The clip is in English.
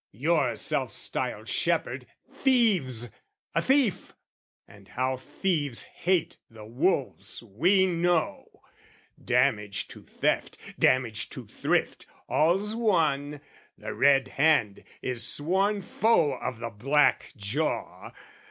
Your self styled shepherd thieves! A thief and how thieves hate the wolves we know: Damage to theft, damage to thrift, all's one! The red hand is sworn foe of the black jaw!